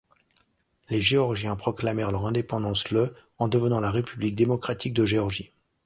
Les Géorgiens proclamèrent leur indépendance le en devenant la république démocratique de Géorgie.